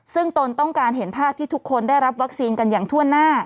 ซึ่งตนต้องการเห็นภาพที่ทุกคนได้รับวัคซีนกันอย่างทั่วหน้า